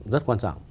rất quan trọng